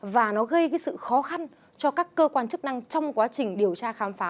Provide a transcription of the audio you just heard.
và nó gây sự khó khăn cho các cơ quan chức năng trong quá trình điều tra khám phá